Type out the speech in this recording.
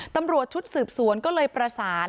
ตำรวจชุดสืบสวนก็เลยประสาน